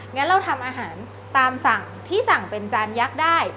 งั้นเราทำอาหารตามสั่งที่สั่งเป็นจานยักษ์ได้